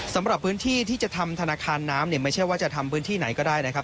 สำหรับพื้นที่ที่จะทำธนาคารน้ำเนี่ยไม่ใช่ว่าจะทำพื้นที่ไหนก็ได้นะครับ